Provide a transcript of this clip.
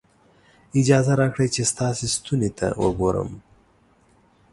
اجازه راکړئ چې ستا ستوني ته وګورم.